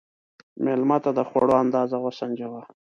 مېلمه ته د خوړو اندازه وسنجوه.